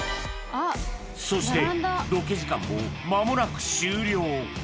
そしてロケ時間もまもなく終了